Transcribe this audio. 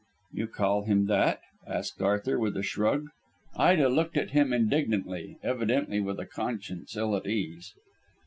"You call him that?" asked Arthur, with a shrug. Ida looked at him indignantly, evidently with a conscience ill at ease.